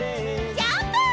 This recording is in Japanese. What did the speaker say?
ジャンプ！